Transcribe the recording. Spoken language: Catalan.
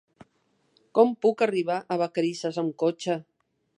Com puc arribar a Vacarisses amb cotxe?